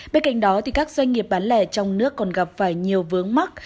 bên cạnh đó thì các doanh nghiệp bán lẻ trong nước còn gặp phải nhiều vướng mắc